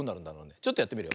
ちょっとやってみるよ。